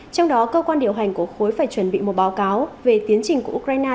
trong đó cơ quan điều hành của khối phải chuẩn bị một báo cáo về tiến trình của ukraine